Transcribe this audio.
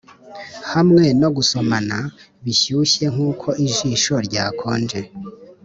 hamwe no gusomana bishyushye nkuko ijisho ryakonje.